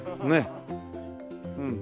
うん。